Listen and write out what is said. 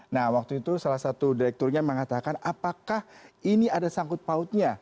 nah waktu itu salah satu direkturnya mengatakan apakah ini ada sangkut pautnya